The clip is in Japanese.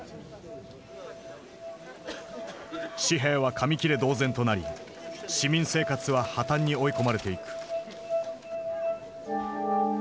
紙幣は紙切れ同然となり市民生活は破綻に追い込まれていく。